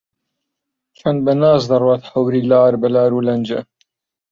چەند بە ناز دەڕوات هەوری لار بە لارو لەنجە